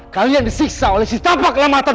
kalian disiksa oleh si tampak kelematan